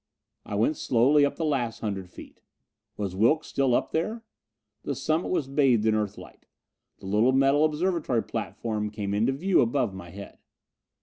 I went slowly up the last hundred feet. Was Wilks still up there? The summit was bathed in Earthlight. The little metal observatory platform came into view above my head.